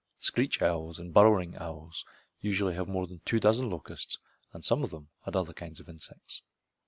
Screech owls and burrowing owls usually had more than two dozen locusts, and some of them had other kinds of insects.